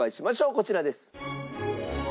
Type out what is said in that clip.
こちらです。